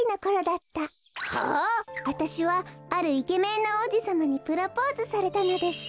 わたしはあるイケメンのおうじさまにプロポーズされたのでした。